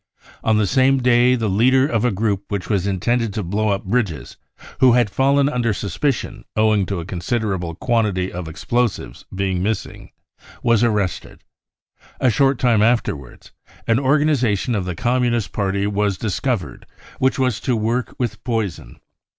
On the same day, the leader of a group which was intended to blow up bridges, who had fallen under suspicion owing to a considerable quantity of explosives being missing, was arrested. A short time afterwards, an organisation of the Communist Party was discovered which was to work with poison.